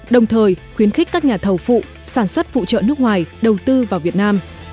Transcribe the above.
đồng thời khuyến khích các nhà thầu phụ sản xuất phụ trợ nước ngoài đầu tư vào việt nam